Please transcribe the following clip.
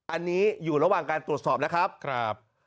อันนี้อยู่ระหว่างการตรวจสอบนะครับ